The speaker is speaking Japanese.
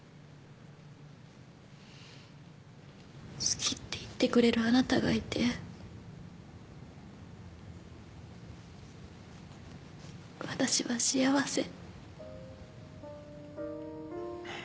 好きって言ってくれるあなたがいて私は幸せ。